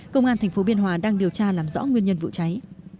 công an tp biên hòa đang điều tra làm rõ nguyên nhân vụ cháy